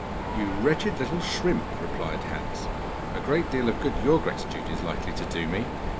'You wretched little shrimp,' replied Hans, 'a great deal of good your gratitude is likely to do me!